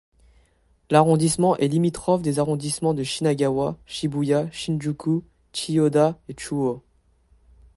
L'arrondissement est limitrophe des arrondissements de Shinagawa, Shibuya, Shinjuku, Chiyoda et Chūō.